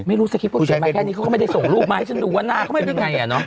ไม่รู้สคริปเขาเขียนมาแค่นี้เขาก็ไม่ได้ส่งรูปมาให้ฉันดูว่าหน้าเขาเป็นยังไง